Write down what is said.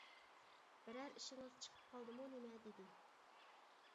بىرەر ئىشىڭىز چىقىپ قالدىمۇ نېمە؟ -دېدى.